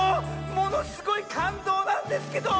ものすごいかんどうなんですけど！